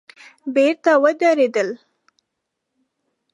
بېرته ودرېدل.